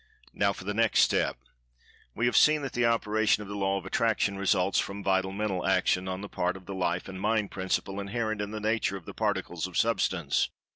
Now, for the next step. We have seen that the operation of the Law of Attraction results from Vital Mental Action on the part of the Life and Mind Principle inherent in the nature of the Particles of Substance.